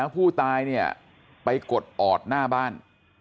ผู้ตายเนี่ยไปกดออดหน้าบ้าน